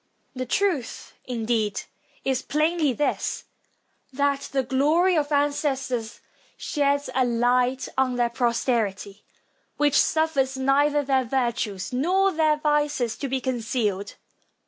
The truth, indeed, is plainly this, that the glory of ancestors sheds a light on their posterity, which suffers neither their virtues nor their vices to be concealed.